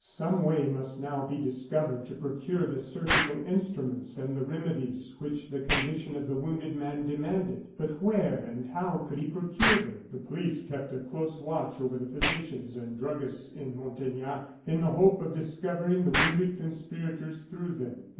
Some way must now be discovered to procure the surgical instruments and the remedies which the condition of the wounded man demanded. But where and how could he procure them? The police kept a close watch over the physicians and druggists in Montaignac, in the hope of discovering the wounded conspirators through them.